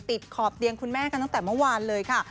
ขอบเตียงคุณแม่กันตั้งแต่เมื่อวานเลยค่ะ